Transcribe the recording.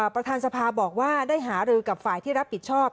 ประธานสภาบอกว่าได้หารือกับฝ่ายที่รับผิดชอบ